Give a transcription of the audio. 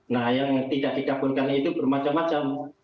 nah yang tidak dikabulkan itu bermacam macam